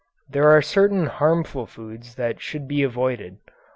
There are certain harmful foods that should be avoided.